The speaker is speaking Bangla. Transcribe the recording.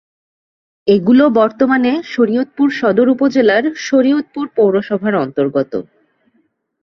এগুলো বর্তমানে শরীয়তপুর সদর উপজেলার শরীয়তপুর পৌরসভার অন্তর্গত।